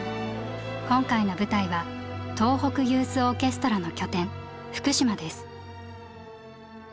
今回の舞台は東北ユースオーケストラの拠点福島です。